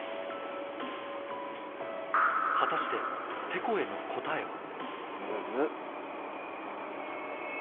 果たしてテコエの答えは？